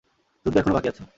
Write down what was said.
যুদ্ধ এখনও বাকি আছে।